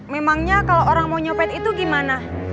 memangnya kalau orang mau nyopet itu gimana